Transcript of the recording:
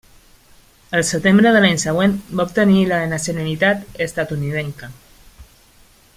El setembre de l'any següent va obtenir la nacionalitat estatunidenca.